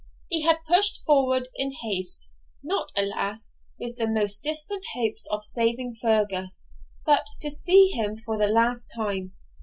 He had pushed forward in haste, not, alas! with the most distant hope of saving Fergus, but to see him for the last time.